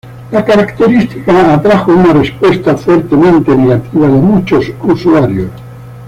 La característica atrajo una respuesta fuertemente negativa de muchos usuarios.